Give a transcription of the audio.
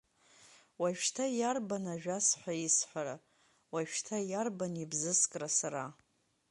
Уажәшьҭа иарбан ажәас ҳәа исҳәара, уажәшьҭа иарбан ибзыскра сара?